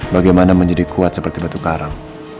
bagaimana menjadi kuat seperti batu karang